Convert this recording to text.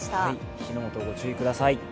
火の元、ご注意ください。